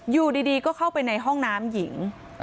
อยู่ดีก็เข้าไปในห้องน้ำหญิง